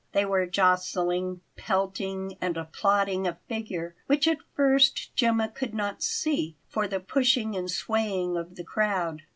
They were jostling, pelting, and applauding a figure which at first Gemma could not see for the pushing and swaying of the crowd.